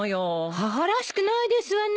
母らしくないですわね。